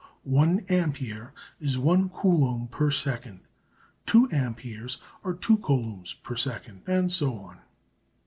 One ampere is one coulomb per second, two amperes are two coulombs per second, and so on.